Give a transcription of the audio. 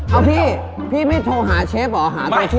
เอาพี่พี่ไม่โทรหาเชฟเหรอหาตัวช่วย